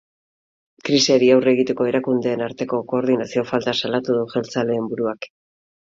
Krisiari aurre egiteko erakundeen arteko koordinazio falta salatu du jeltzaleen buruak.